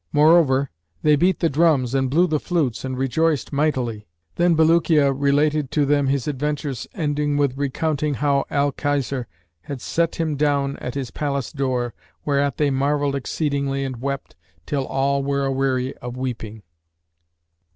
Moreover, they beat the drums and blew the flutes and rejoiced mightily. Then Bulukiya related to them his adventures ending with recounting how Al Khizr had set him down at his palace door, whereat they marvelled exceedingly and wept, till all were a weary of weeping."